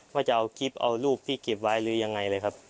ว่าจะเอาคลิปเอารูปที่เก็บไว้หรือยังไงเลยครับ